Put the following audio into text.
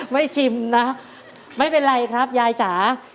ชิมนะไม่เป็นไรครับยายจ๋า